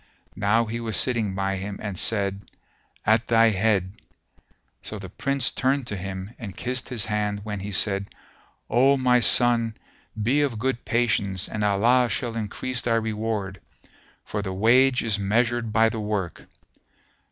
Now he was sitting by him and said, "At thy head." So the Prince turned to him and kissed his hand when he said, "O my son! Be of good patience and Allah shall increase thy reward; for the wage is measured by the work."